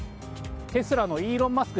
テスラのイーロン・マスク